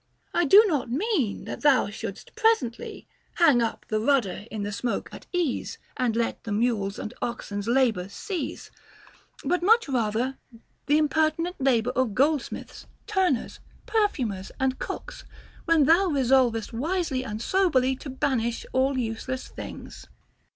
I do not mean thou shouldst presently Hang up the rudder in the smoke at ease, And let the mules' and oxen's labor cease ;* but much rather the impertinent labor of goldsmiths, tur ners, perfumers, and cooks, when thou resolvest wisely and soberlv to banish all useless things.